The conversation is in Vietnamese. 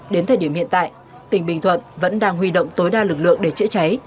đến thời điểm hiện tại tỉnh bình thuận vẫn đang huy động tối đa lực lượng để chữa cháy